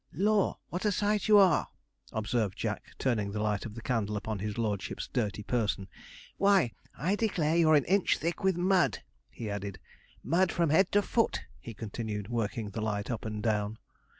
'Lor! what a sight you are!' observed Jack, turning the light of the candle upon his lordship's dirty person. 'Why, I declare you're an inch thick with mud,' he added, 'mud from head to foot,' he continued, working the light up and down.